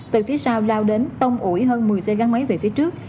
từ phía sau lao đến tông ủi hơn một mươi xe gắn máy về phía trước